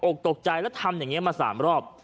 ตกใจแล้วทำอย่างนี้มา๓รอบ